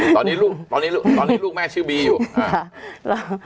ตอนนี้ลูกตอนนี้ตอนนี้ลูกแม่ชื่อบีอยู่อ่า